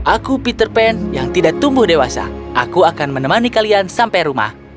aku peter pan yang tidak tumbuh dewasa aku akan menemani kalian sampai rumah